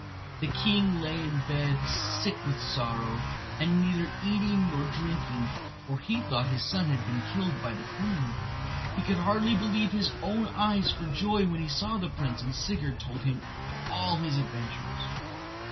The king lay in bed sick with sorrow, and neither eating nor drinking, for he thought that his son had been killed by the queen. He could hardly believe his own eyes for joy when he saw the prince, and Sigurd told him all his adventures.